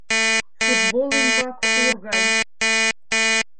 Футбол ӱмбак ур гай